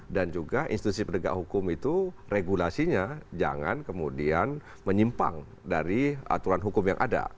dan juga institusi pendegang hukum itu regulasinya jangan kemudian menyimpang dari aturan hukum yang ada